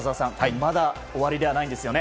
まだ終わりじゃないんですよね。